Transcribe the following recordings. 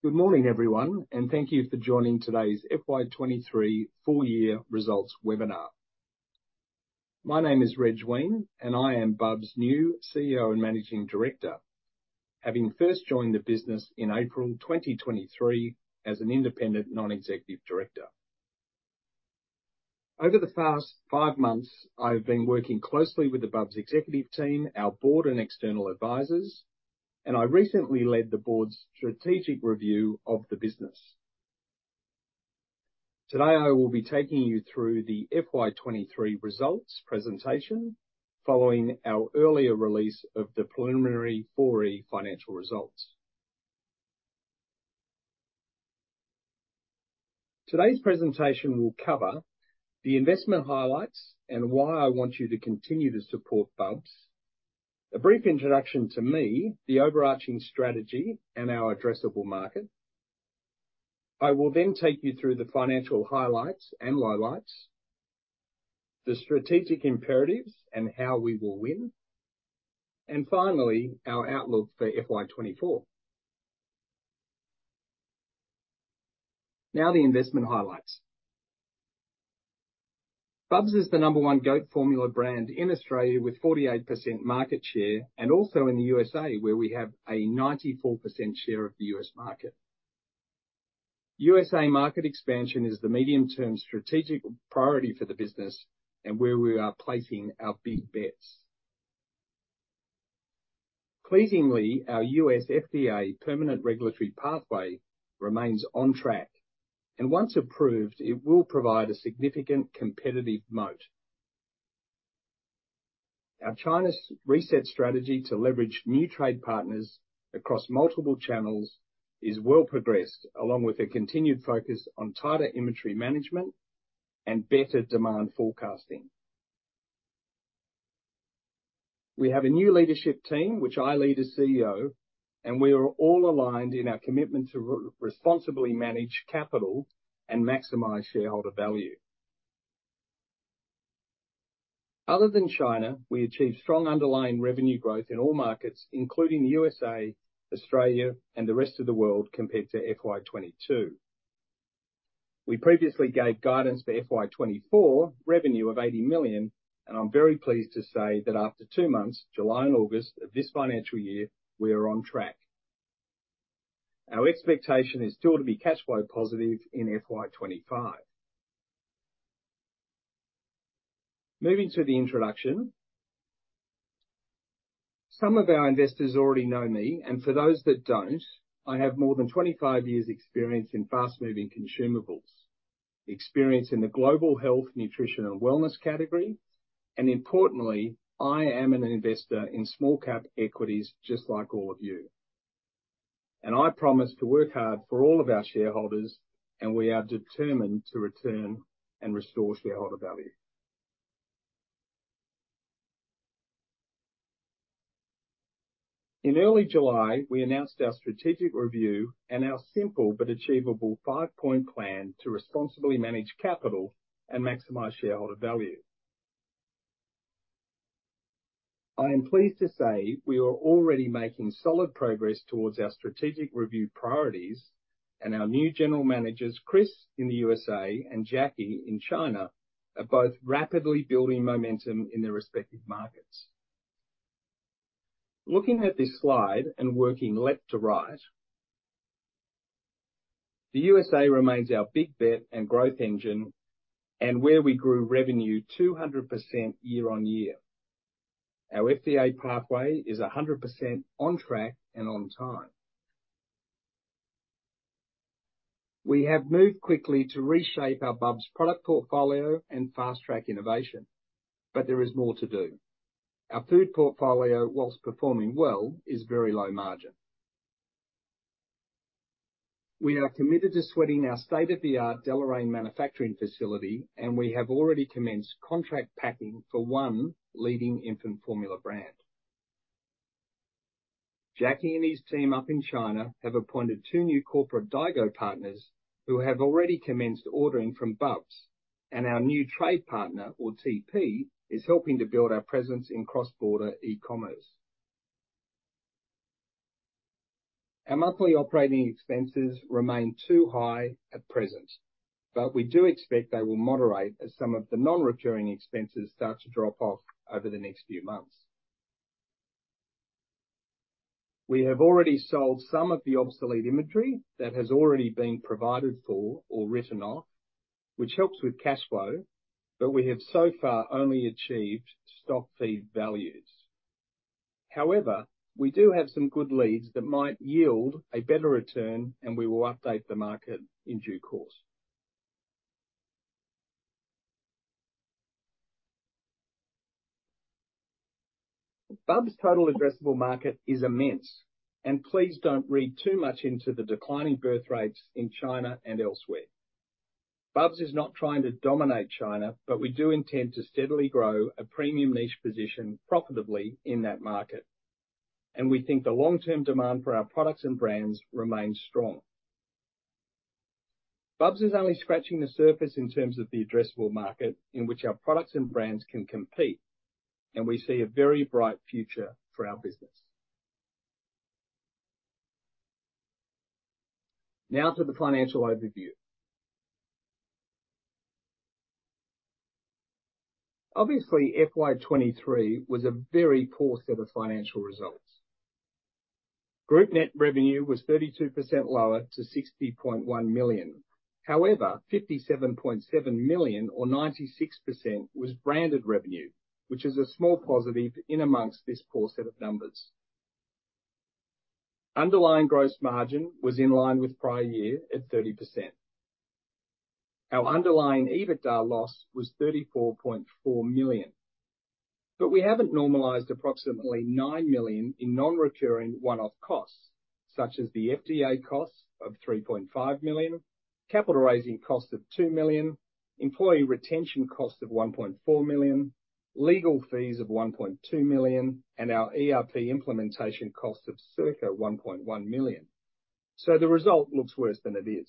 Good morning, everyone, and thank you for joining today's FY 2023 full year results webinar. My name is Reg Weine, and I am Bubs' new CEO and Managing Director, having first joined the business in April 2023 as an independent non-executive director. Over the past five months, I've been working closely with the Bubs executive team, our board, and external advisors, and I recently led the board's strategic review of the business. Today, I will be taking you through the FY 2023 results presentation, following our earlier release of the preliminary 4Q financial results. Today's presentation will cover the investment highlights and why I want you to continue to support Bubs. A brief introduction to me, the overarching strategy, and our addressable market. I will then take you through the financial highlights and lowlights, the strategic imperatives and how we will win, and finally, our outlook for FY 2024. Now, the investment highlights. Bubs is the number one goat formula brand in Australia, with 48% market share, and also in the USA, where we have a 94% share of the US market. USA market expansion is the medium-term strategic priority for the business and where we are placing our big bets. Pleasingly, our US FDA permanent regulatory pathway remains on track, and once approved, it will provide a significant competitive moat. Our China's reset strategy to leverage new trade partners across multiple channels is well progressed, along with a continued focus on tighter inventory management and better demand forecasting. We have a new leadership team, which I lead as CEO, and we are all aligned in our commitment to responsibly manage capital and maximize shareholder value. Other than China, we achieved strong underlying revenue growth in all markets, including the USA, Australia, and the rest of the world, compared to FY 2022. We previously gave guidance for FY 2024 revenue of 80 million, and I'm very pleased to say that after 2 months, July and August of this financial year, we are on track. Our expectation is still to be cash flow positive in FY 2025. Moving to the introduction. Some of our investors already know me, and for those that don't, I have more than 25 years experience in fast-moving consumables. Experience in the global health, nutrition and wellness category, and importantly, I am an investor in small cap equities, just like all of you. I promise to work hard for all of our shareholders, and we are determined to return and restore shareholder value. In early July, we announced our strategic review and our simple but achievable five-point plan to responsibly manage capital and maximize shareholder value. I am pleased to say we are already making solid progress towards our strategic review priorities, and our new general managers, Chris in the USA and Jackie in China, are both rapidly building momentum in their respective markets. Looking at this slide and working left to right, the USA remains our big bet and growth engine, and where we grew revenue 200% year-on-year. Our FDA pathway is 100% on track and on time. We have moved quickly to reshape our Bubs product portfolio and fast-track innovation, but there is more to do. Our food portfolio, while performing well, is very low margin. We are committed to sweating our state-of-the-art Deloraine manufacturing facility, and we have already commenced contract packing for one leading infant formula brand. Jackie and his team up in China have appointed two new corporate Daigou partners who have already commenced ordering from Bubs, and our new trade partner, or TP, is helping to build our presence in cross-border e-commerce. Our monthly operating expenses remain too high at present, but we do expect they will moderate as some of the non-recurring expenses start to drop off over the next few months. We have already sold some of the obsolete inventory that has already been provided for or written off, which helps with cash flow, but we have so far only achieved stock feed values. However, we do have some good leads that might yield a better return, and we will update the market in due course. Bubs' total addressable market is immense, and please don't read too much into the declining birth rates in China and elsewhere. Bubs is not trying to dominate China, but we do intend to steadily grow a premium niche position profitably in that market, and we think the long-term demand for our products and brands remains strong.... Bubs is only scratching the surface in terms of the addressable market in which our products and brands can compete, and we see a very bright future for our business. Now to the financial overview. Obviously, FY 2023 was a very poor set of financial results. Group net revenue was 32% lower to 60.1 million. However, 57.7 million, or 96%, was branded revenue, which is a small positive in amongst this poor set of numbers. Underlying gross margin was in line with prior year at 30%. Our underlying EBITDA loss was 34.4 million, but we haven't normalized approximately 9 million in non-recurring one-off costs, such as the FDA costs of 3.5 million, capitalizing costs of 2 million, employee retention costs of 1.4 million, legal fees of 1.2 million, and our ERP implementation costs of circa 1.1 million. So the result looks worse than it is.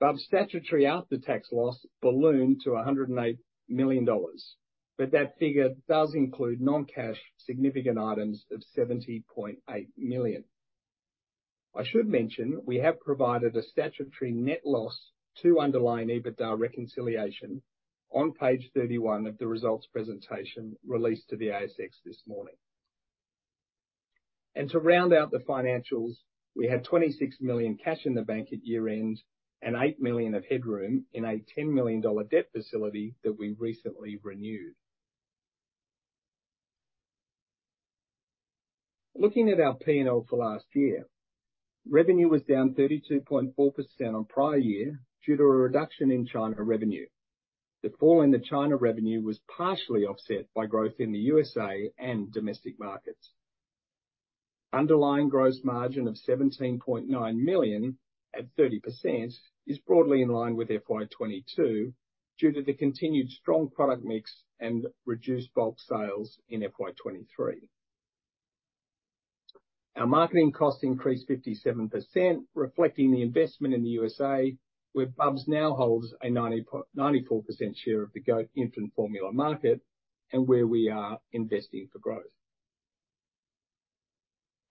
Bubs' statutory after-tax loss ballooned to 108 million dollars, but that figure does include non-cash significant items of 70.8 million. I should mention, we have provided a statutory net loss to underlying EBITDA reconciliation on page 31 of the results presentation released to the ASX this morning. And to round out the financials, we had 26 million cash in the bank at year-end and $8 million of headroom in a $10 million debt facility that we recently renewed. Looking at our P&L for last year, revenue was down 32.4% on prior year due to a reduction in China revenue. The fall in the China revenue was partially offset by growth in the USA and domestic markets. Underlying gross margin of 17.9 million, at 30%, is broadly in line with FY 2022 due to the continued strong product mix and reduced bulk sales in FY 2023. Our marketing costs increased 57%, reflecting the investment in the USA, where Bubs now holds a 94% share of the goat infant formula market and where we are investing for growth.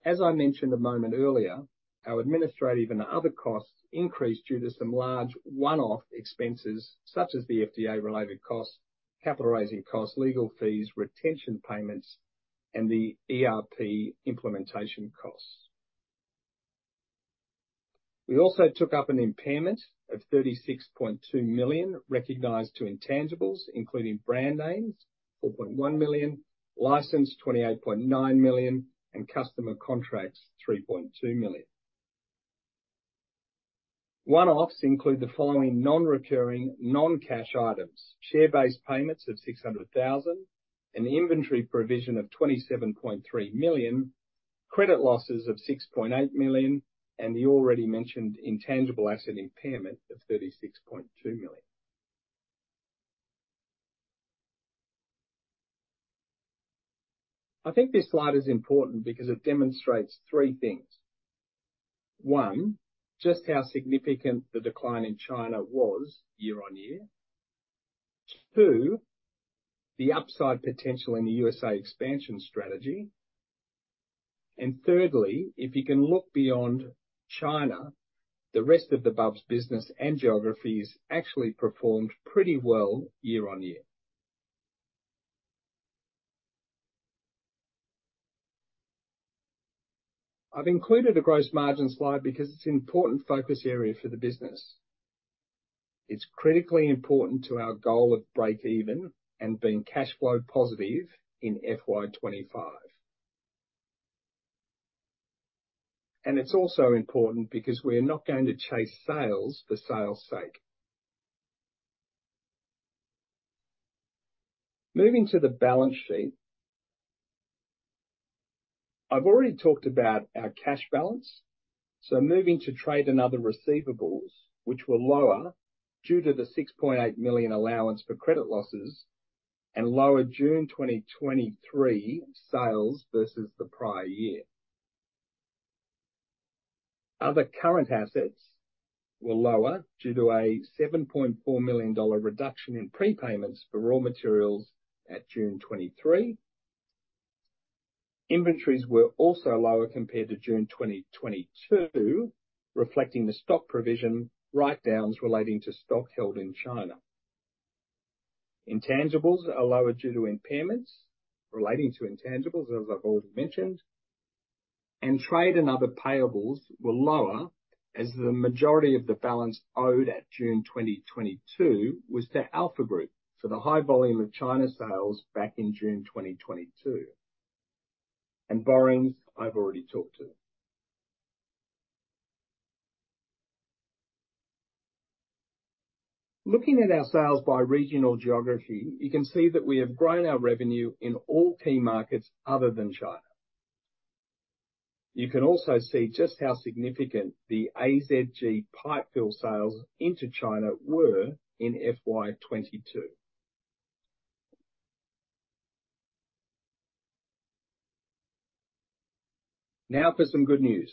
As I mentioned a moment earlier, our administrative and other costs increased due to some large one-off expenses, such as the FDA-related costs, capitalizing costs, legal fees, retention payments, and the ERP implementation costs. We also took up an impairment of 36.2 million, recognized to intangibles, including brand names, 4.1 million, license, 28.9 million, and customer contracts, 3.2 million. One-offs include the following non-recurring, non-cash items: share-based payments of 600 thousand, an inventory provision of 27.3 million, credit losses of 6.8 million, and the already mentioned intangible asset impairment of 36.2 million. I think this slide is important because it demonstrates three things. One, just how significant the decline in China was year-on-year. Two, the upside potential in the USA expansion strategy. Thirdly, if you can look beyond China, the rest of the Bubs business and geographies actually performed pretty well year-on-year. I've included a gross margin slide because it's an important focus area for the business. It's critically important to our goal of break even and being cash flow positive in FY 2025. It's also important because we're not going to chase sales for sales' sake. Moving to the balance sheet. I've already talked about our cash balance, so moving to trade and other receivables, which were lower due to the 6.8 million allowance for credit losses and lower June 2023 sales versus the prior year. Other current assets were lower due to a 7.4 million dollar reduction in prepayments for raw materials at June 2023. Inventories were also lower compared to June 2022, reflecting the stock provision write-downs relating to stock held in China. Intangibles are lower due to impairments relating to intangibles, as I've already mentioned. Trade and other payables were lower, as the majority of the balance owed at June 2022 was to Alpha Group for the high volume of China sales back in June 2022. Borrowings, I've already talked to. Looking at our sales by regional geography, you can see that we have grown our revenue in all key markets other than China. You can also see just how significant the AZG pipe fill sales into China were in FY 2022. Now for some good news.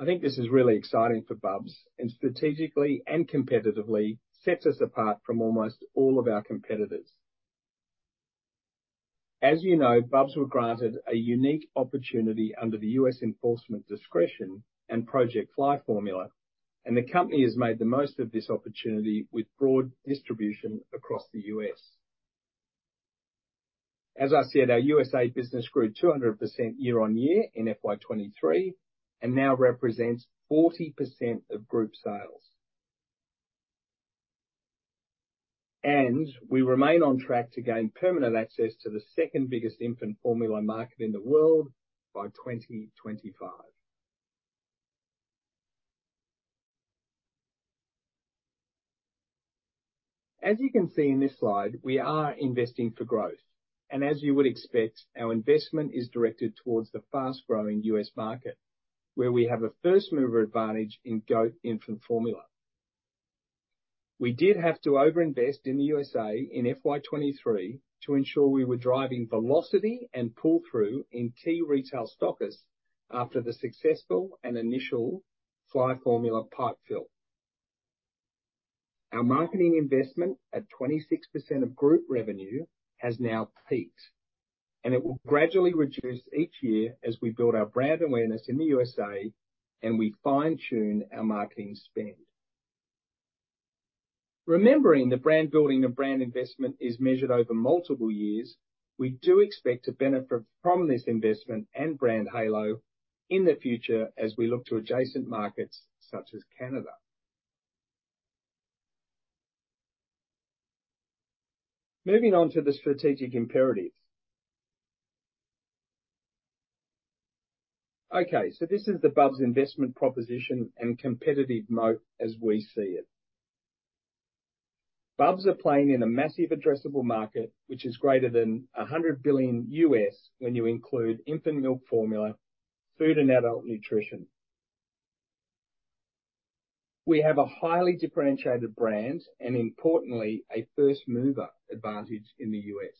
I think this is really exciting for Bubs, and strategically and competitively sets us apart from almost all of our competitors. As you know, Bubs were granted a unique opportunity under the U.S. Enforcement Discretion and Project Fly Formula, and the company has made the most of this opportunity with broad distribution across the U.S. As I said, our USA business grew 200% year-on-year in FY 2023, and now represents 40% of group sales. And we remain on track to gain permanent access to the second biggest infant formula market in the world by 2025. As you can see in this slide, we are investing for growth, and as you would expect, our investment is directed towards the fast-growing U.S. market, where we have a first mover advantage in goat infant formula. We did have to over-invest in the USA in FY 2023 to ensure we were driving velocity and pull-through in key retail stockers after the successful and initial Fly Formula pipe fill. Our marketing investment, at 26% of group revenue, has now peaked, and it will gradually reduce each year as we build our brand awareness in the USA and we fine-tune our marketing spend. Remembering that brand building and brand investment is measured over multiple years, we do expect to benefit from this investment and brand halo in the future as we look to adjacent markets such as Canada. Moving on to the strategic imperatives. Okay, so this is the Bubs investment proposition and competitive moat as we see it. Bubs are playing in a massive addressable market, which is greater than $100 billion when you include infant milk formula, food, and adult nutrition. We have a highly differentiated brand and, importantly, a first mover advantage in the U.S.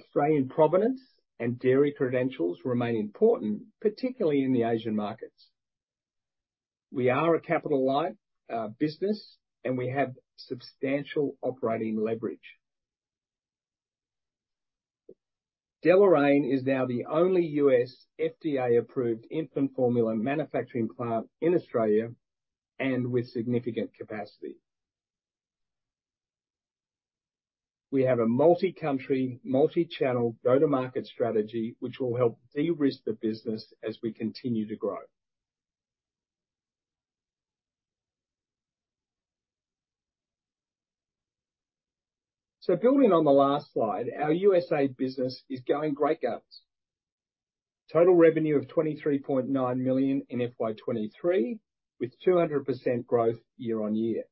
Australian provenance and dairy credentials remain important, particularly in the Asian markets. We are a capital light, business, and we have substantial operating leverage. Deloraine is now the only U.S. FDA-approved infant formula manufacturing plant in Australia, and with significant capacity. We have a multi-country, multi-channel go-to-market strategy, which will help de-risk the business as we continue to grow. So building on the last slide, our USA business is going great guns. Total revenue of $23.9 million in FY23, with 200% growth year-on-year.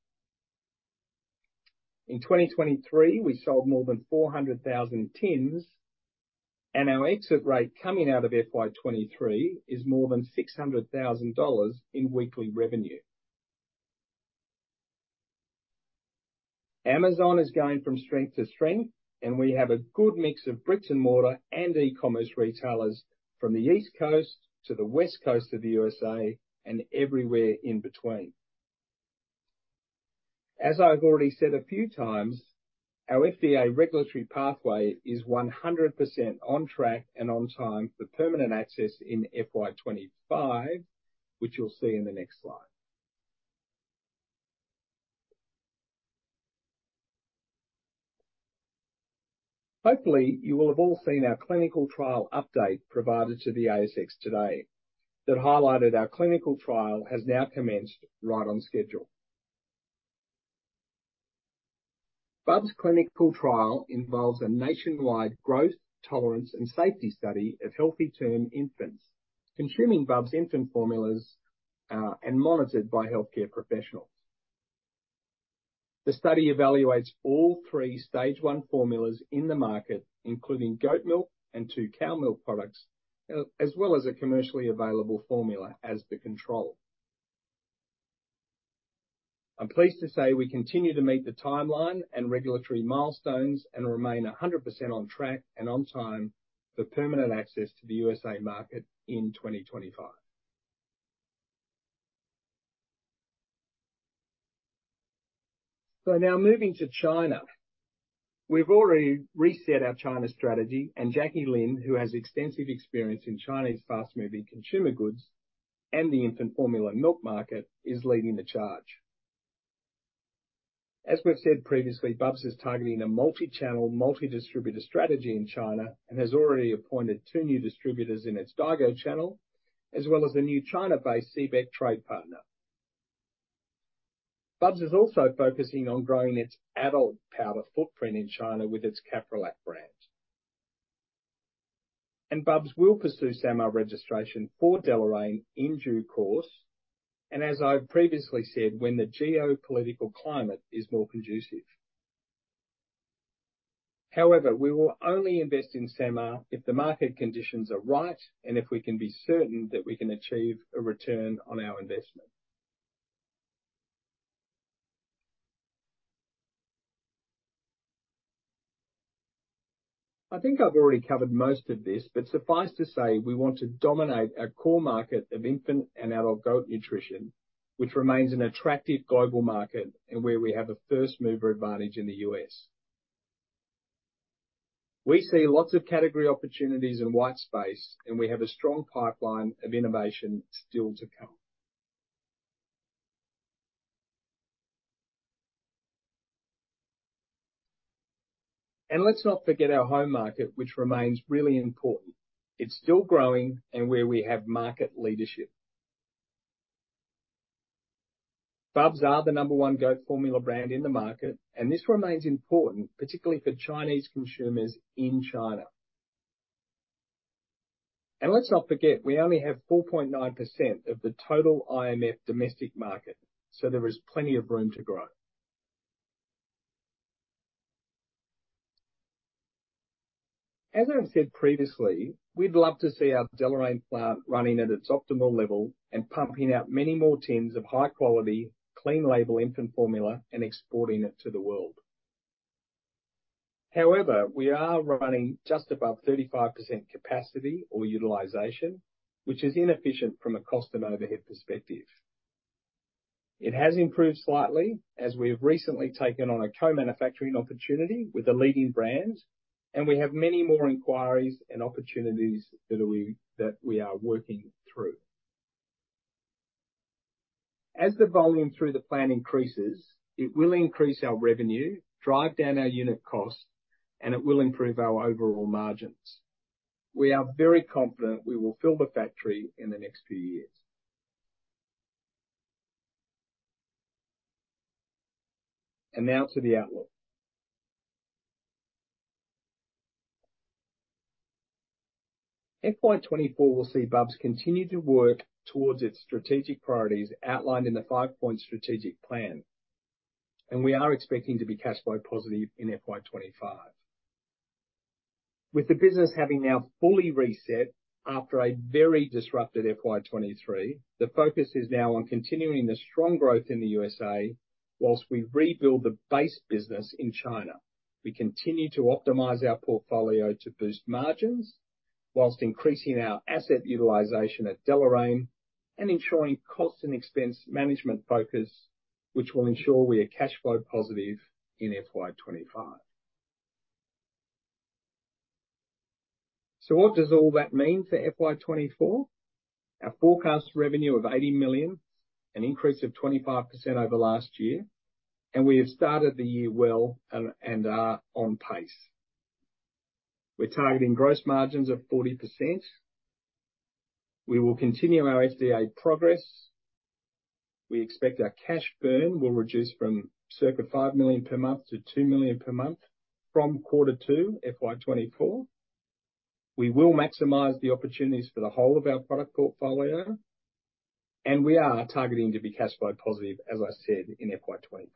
In 2023, we sold more than 400,000 tins, and our exit rate coming out of FY23 is more than $600,000 in weekly revenue. Amazon is going from strength to strength, and we have a good mix of bricks and mortar and e-commerce retailers from the East Coast to the West Coast of the USA and everywhere in between. As I've already said a few times, our FDA regulatory pathway is 100% on track and on time for permanent access in FY 25, which you'll see in the next slide. Hopefully, you will have all seen our clinical trial update provided to the ASX today, that highlighted our clinical trial has now commenced right on schedule. Bubs' clinical trial involves a nationwide growth, tolerance, and safety study of healthy term infants consuming Bubs infant formulas, and monitored by healthcare professionals. The study evaluates all three Stage 1 formulas in the market, including goat milk and two cow milk products, as well as a commercially available formula as the control. I'm pleased to say we continue to meet the timeline and regulatory milestones, and remain 100% on track and on time for permanent access to the USA market in 2025. So now moving to China. We've already reset our China strategy, and Jackie Lin, who has extensive experience in Chinese fast-moving consumer goods and the infant formula milk market, is leading the charge. As we've said previously, Bubs is targeting a multi-channel, multi-distributor strategy in China, and has already appointed two new distributors in its Daigou channel, as well as a new China-based CBEC trade partner. Bubs is also focusing on growing its adult powder footprint in China with its CapriLac brand. And Bubs will pursue SAMR registration for Deloraine in due course, and as I've previously said, when the geopolitical climate is more conducive. However, we will only invest in SAMR if the market conditions are right and if we can be certain that we can achieve a return on our investment.... I think I've already covered most of this, but suffice to say, we want to dominate our core market of infant and adult goat nutrition, which remains an attractive global market, and where we have a first mover advantage in the U.S. We see lots of category opportunities in white space, and we have a strong pipeline of innovation still to come. Let's not forget our home market, which remains really important. It's still growing and where we have market leadership. Bubs are the number one goat formula brand in the market, and this remains important, particularly for Chinese consumers in China. Let's not forget, we only have 4.9% of the total IMF domestic market, so there is plenty of room to grow. As I've said previously, we'd love to see our Deloraine plant running at its optimal level and pumping out many more tins of high quality, clean label infant formula and exporting it to the world. However, we are running just above 35% capacity or utilization, which is inefficient from a cost and overhead perspective. It has improved slightly as we have recently taken on a co-manufacturing opportunity with a leading brand, and we have many more inquiries and opportunities that we are working through. As the volume through the plant increases, it will increase our revenue, drive down our unit cost, and it will improve our overall margins. We are very confident we will fill the factory in the next few years. Now to the outlook. FY 2024 will see Bubs continue to work towards its strategic priorities outlined in the 5-point strategic plan, and we are expecting to be cash flow positive in FY 2025. With the business having now fully reset after a very disrupted FY 2023, the focus is now on continuing the strong growth in the USA, while we rebuild the base business in China. We continue to optimize our portfolio to boost margins, while increasing our asset utilization at Deloraine and ensuring cost and expense management focus, which will ensure we are cash flow positive in FY 2025. So what does all that mean for FY 2024? Our forecast revenue of 80 million, an increase of 25% over last year, and we have started the year well and are on pace. We're targeting gross margins of 40%. We will continue our FDA progress. We expect our cash burn will reduce from circa 5 million per month to 2 million per month from quarter two, FY 2024. We will maximize the opportunities for the whole of our product portfolio, and we are targeting to be cash flow positive, as I said, in FY 2025.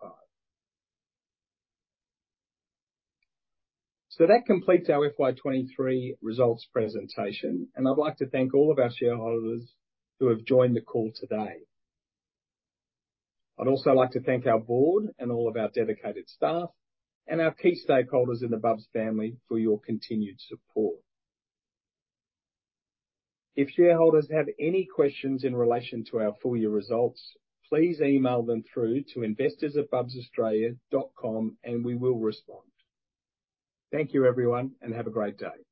So that completes our FY 2023 results presentation, and I'd like to thank all of our shareholders who have joined the call today. I'd also like to thank our board and all of our dedicated staff, and our key stakeholders in the Bubs family for your continued support. If shareholders have any questions in relation to our full year results, please email them through to investors@bubsaustralia.com, and we will respond. Thank you, everyone, and have a great day.